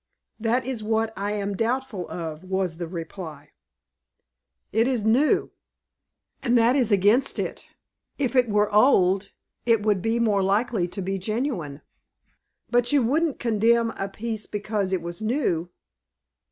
"That is what I am doubtful of," was the reply. "It is new." "And that is against it. If it were old, it would be more likely to be genuine." "But you wouldn't comdemn a piece because it was new?"